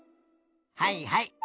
はいはい。